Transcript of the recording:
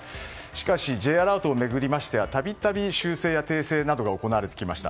しかし、Ｊアラートを巡ってはたびたび修正や訂正などが行われてきました。